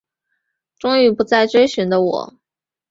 终于不再追寻的我